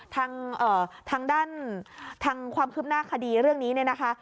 ทางด้านทางความคืบหน้าคดีเรื่องนี้เนี่ยนะคะ